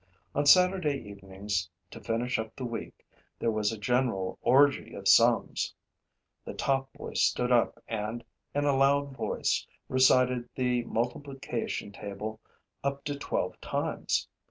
On Saturday evenings, to finish up the week, there was a general orgy of sums. The top boy stood up and, in a loud voice, recited the multiplication table up to twelve times.